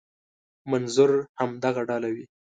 منظور همدغه ډله وي.